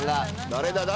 誰だ？